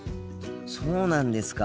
そうなんですか。